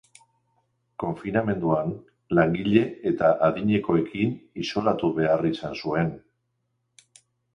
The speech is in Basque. Konfinamenduan, langile eta adinekoekin isolatu behar izan zuen.